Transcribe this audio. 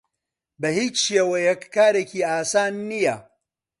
بە هیچ شێوەیەک کارێکی ئاسان نییە.